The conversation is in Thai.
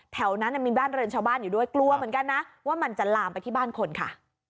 แถวนั้นมีบ้านเรือนชาวบ้านอยู่ด้วยกลัวเหมือนกันนะว่ามันจะลามไปที่บ้านคนค่ะ